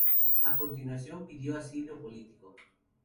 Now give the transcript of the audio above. A continuación pidió asilo político.